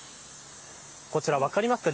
こちら分かりますか。